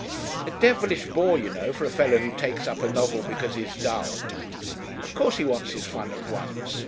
'A devilish bore, you know, for a fellow who takes up a novel because he's dull. Of course he wants his fun at once.